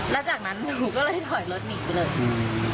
แล้วจากนั้นหนูก็เลยถอยรถหนีไปเลย